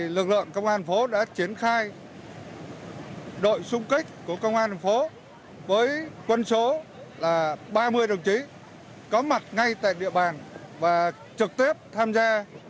lực lượng công an phố đã triển khai đội xung kích của công an thành phố với quân số là ba mươi đồng chí có mặt ngay tại địa bàn và trực tiếp tham gia